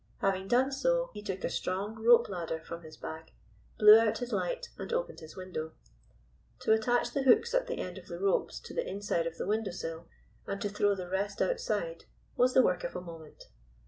Having done so, he took a strong rope ladder from his bag, blew out his light, and opened his window. To attach the hooks at the end of the ropes to the inside of the window sill, and to throw the rest outside was the work of a moment.